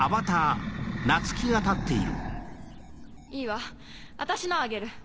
いいわ私のをあげる。